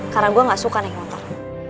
karena gue gak suka naik motor